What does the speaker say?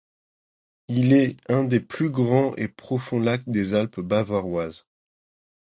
Il est un des plus grands et profonds lacs des Alpes bavaroises.